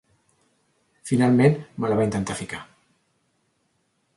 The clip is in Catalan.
Finalment, me la va intentar ficar.